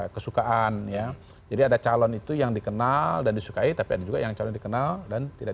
kesukaan ya jadi ada calon itu yang dikenal dan disukai tapi ada juga yang calon dikenal dan tidak